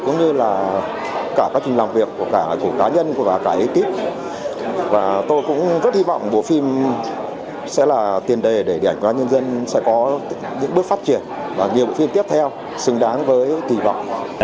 nhiều phim tiếp theo xứng đáng với kỳ vọng